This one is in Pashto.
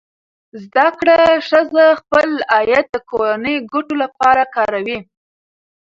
زده کړه ښځه خپل عاید د کورنۍ ګټو لپاره کاروي.